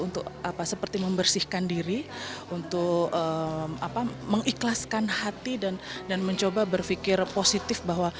untuk seperti membersihkan diri untuk mengikhlaskan hati dan mencoba berpikir positif bahwa